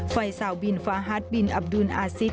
ไฟเสาบินฟาฮัศบินอับดุนอาซิด